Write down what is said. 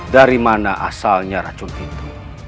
dari mana asalnya racun itu